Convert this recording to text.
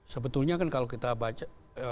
sebetulnya kan kalau kita baca